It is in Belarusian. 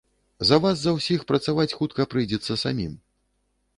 За вас за ўсіх працаваць хутка прыйдзецца самім.